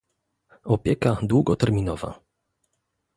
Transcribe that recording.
Opieka długoterminowa